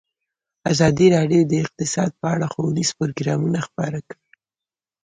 ازادي راډیو د اقتصاد په اړه ښوونیز پروګرامونه خپاره کړي.